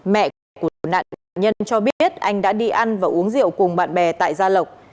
mẹ của nạn nhân cho biết anh đã đi ăn và uống rượu cùng bạn bè tại gia lộc